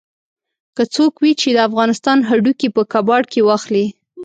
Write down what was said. که څوک وي چې د افغانستان هډوکي په کباړ کې واخلي.